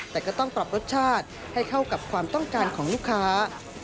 แต่ก็ต้องปรับรสชาติให้เข้ากับความต้องการของลูกค้า